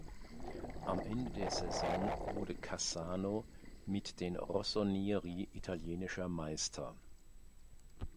Am Ende der Saison wurde Cassano mit den "Rossoneri" italienischer Meister.